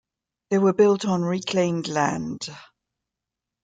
They were built on reclaimed land.